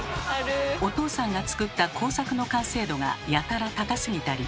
お父さんが作った工作の完成度がやたら高すぎたり。